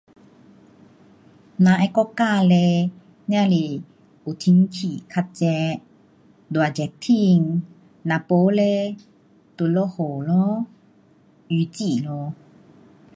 咱的国家嘞 nia 是有天气较热，大热天，呐不嘞就下雨咯，雨季咯。